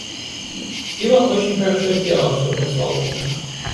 Стива очень хорошо сделал, что прислал тебя.